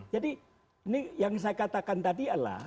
ini yang saya katakan tadi adalah